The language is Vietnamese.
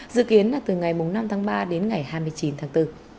dự kiến là từ ngày năm tháng ba đến ngày hai mươi chín tháng bốn